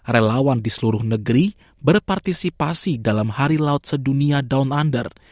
relawan di seluruh negeri berpartisipasi dalam hari laut sedunia down under